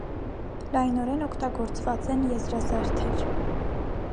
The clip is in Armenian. Լայնորեն օգտագործված են եզրազարդեր։